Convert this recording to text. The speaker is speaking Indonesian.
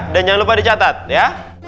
dan jangan lupa dicatat ya